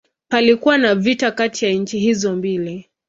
Palikuwa na vita kati ya nchi hizo mbili.